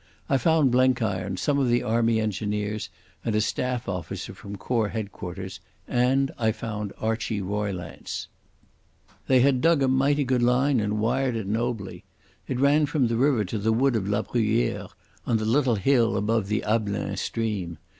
I found Blenkiron, some of the Army engineers, and a staff officer from Corps Headquarters, and I found Archie Roylance. They had dug a mighty good line and wired it nobly. It ran from the river to the wood of La Bruyere on the little hill above the Ablain stream.